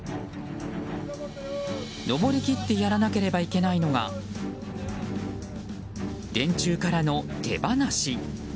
登りきってやらなければいけないのが電柱からの手放し。